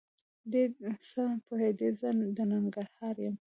دی څه پوهېده زه د ننګرهار یم؟!